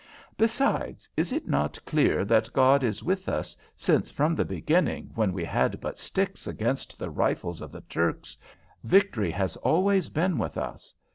"Besides, is it not clear that God is with us, since from the beginning, when we had but sticks against the rifles of the Turks, victory has always been with us?